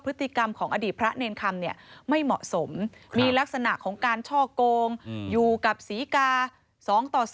พฤติกรรมของอดีตพระเนรคำเนี่ยไม่เหมาะสมมีลักษณะของการช่อโกงอยู่กับศรีกา๒ต่อ๒